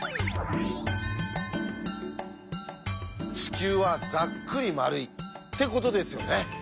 「地球はざっくり丸い」ってことですよね。